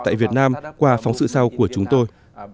tại việt nam qua phóng sự sau của chúng tôi